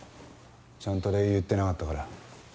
ちゃんと礼言ってなかったから。